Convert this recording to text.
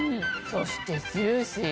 そしてジューシー。